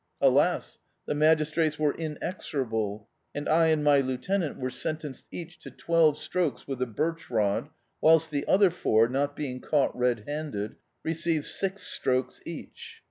Alas! the magistrates were inex orable, and I and my lieutenant were sentenced each to twelve strokes with the birch rod, whilst the other four, not being caught red handed, received six strokes each.